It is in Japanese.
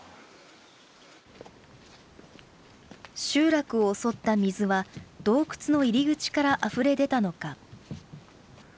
集落を襲った水は、洞窟の入り口からあふれ出たのか。